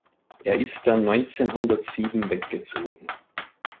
Er ist dann neunzehnhundertsieben weggezogen.